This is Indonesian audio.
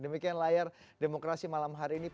demikian layar demokrasi malam hari ini